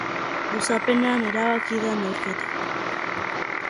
Luzapenean erabaki da neurketa.